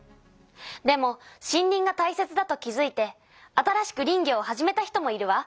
でも森林がたいせつだと気づいて新しく林業を始めた人もいるわ。